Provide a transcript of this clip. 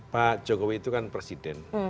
pak jokowi itu kan presiden